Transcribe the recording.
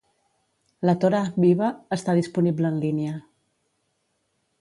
"La Torah viva" està disponible en línia.